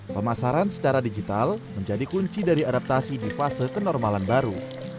pemasaran secara digital menjadi kunci dari adaptasi di fase kenormalan baru